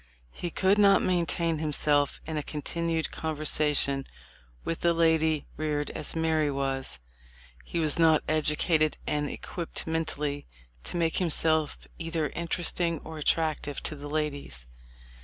He could not maintain himself in a continued conversation with a lady reared as Mary was. He was not edu cated and equipped mentally to make himself either interesting or attractive to the ladies.